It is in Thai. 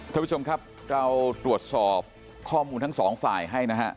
ท่านผู้ชมครับเราตรวจสอบข้อมูลทั้งสองฝ่ายให้นะฮะ